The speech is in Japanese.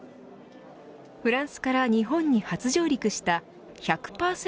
フランスから日本に初上陸した１００％